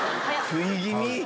食い気味！